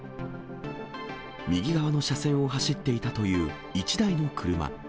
右側の車線を走っていたという１台の車。